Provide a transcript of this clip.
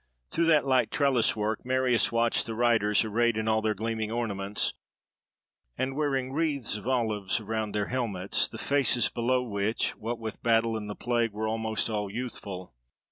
Through that light trellis work, Marius watched the riders, arrayed in all their gleaming ornaments, and wearing wreaths of olive around their helmets, the faces below which, what with battle and the plague, were almost all youthful.